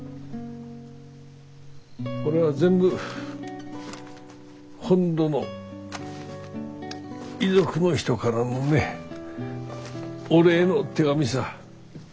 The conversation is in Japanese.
これは全部本土の遺族の人からのねお礼の手紙さ。